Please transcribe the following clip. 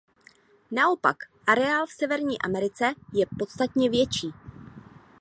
Naopak areál v Severní Americe je podstatně větší.